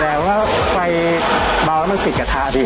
แล้วทำไมต้องไฟแรงขนาดนี้